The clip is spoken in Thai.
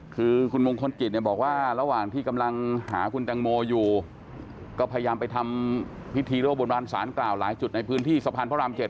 คือคุณมงคลกิจเนี่ยบอกว่าระหว่างที่กำลังหาคุณแตงโมอยู่ก็พยายามไปทำพิธีรบบนบานสารกล่าวหลายจุดในพื้นที่สะพานพระราม๗